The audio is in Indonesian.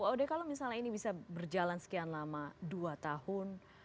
pak ode kalau misalnya ini bisa berjalan sekian lama dua tahun